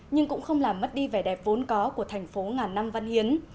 nhưng cũng không làm mất đi vẻ đẹp vốn có của thành phố ngàn năm văn hiến